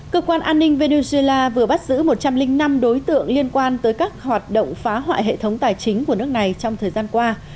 cơ quan an ninh venezuela vừa bắt giữ một trăm linh năm đối tượng liên quan tới các hoạt động phá hoại hệ thống tài chính của nước này trong thời gian qua